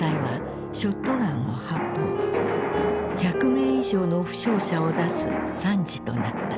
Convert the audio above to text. １００名以上の負傷者を出す惨事となった。